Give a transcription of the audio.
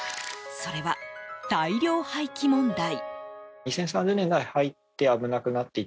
それは、大量廃棄問題。